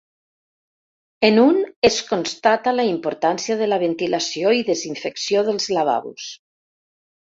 En un es constata la importància de la ventilació i desinfecció dels lavabos.